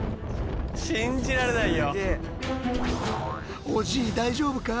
信じられないよ。